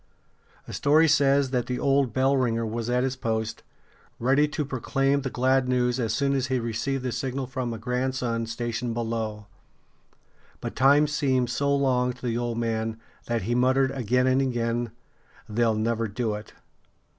A story says that the old bell ringer was at his post, ready to proclaim the glad news as soon as he received the signal from a grandson stationed below But time seemed so long to the old man that he muttered again and again: "They'll never do it."